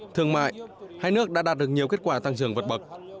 thương mại hai nước đã đạt được nhiều kết quả tăng trưởng vượt bậc